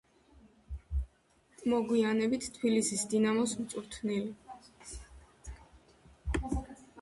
მოგვიანებით თბილისის „დინამოს“ მწვრთნელი.